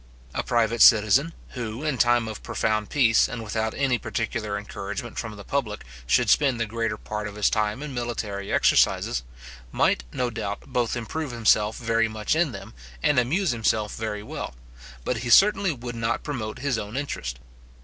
A private citizen, who, in time of profound peace, and without any particular encouragement from the public, should spend the greater part of his time in military exercises, might, no doubt, both improve himself very much in them, and amuse himself very well; but he certainly would not promote his own interest.